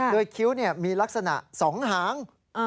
โดยคิ้วมีลักษณะ๒หาง